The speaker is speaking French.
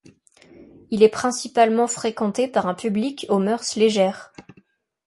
Il est principalement fréquenté par un public aux mœurs légères.